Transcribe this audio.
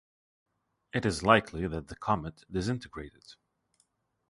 It is likely that the comet disintegrated.